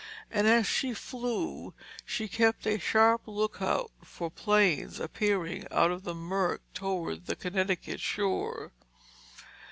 And as she flew, she kept a sharp lookout for planes appearing out of the murk toward the Connecticut shore.